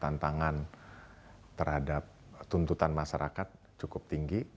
tantangan terhadap tuntutan masyarakat cukup tinggi